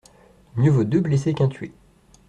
Mieux vaut deux blessés qu’un tué.